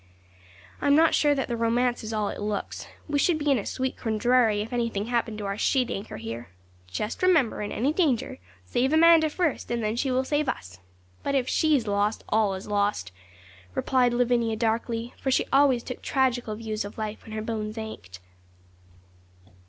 'I'm not so sure that the romance is all it looks. We should be in a sweet quandary if anything happened to our sheet anchor here. Just remember, in any danger, save Amanda first, then she will save us. But if she is lost, all is lost,' replied Lavinia, darkly, for she always took tragical views of life when her bones ached.